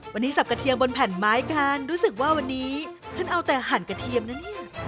วันนี้สับกระเทียมบนแผ่นไม้กันรู้สึกว่าวันนี้ฉันเอาแต่หั่นกระเทียมนะเนี่ย